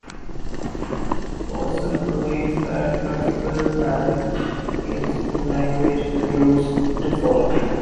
Forsythe believes that classical ballet is a language with rules to follow.